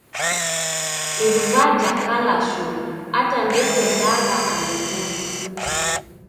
Iruw'a jakala shuu ata ndekuendagha andu kungi